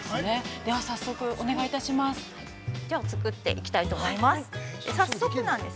では、早速お願いいたします。